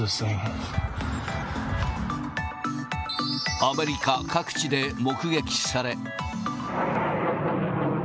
アメリカ各地で目撃され。